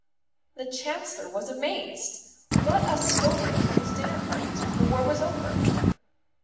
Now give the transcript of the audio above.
The Chancellor was amazed. What a story for his dinner parties when the war was over!